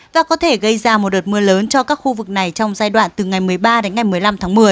và có thể gây ra một đợt mưa lớn cho các khu vực này trong giai đoạn từ ngày một mươi ba đến ngày một mươi năm tháng một mươi